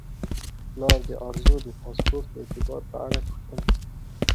پلار د ارزو د پاسپورت د اعتبار په اړه پوښتل کیږي.